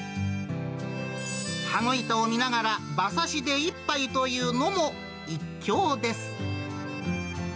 羽子板を見ながら馬刺しで一杯というのも一興です。